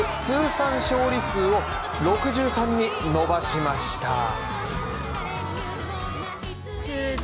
通算勝利数を６３に伸ばしました。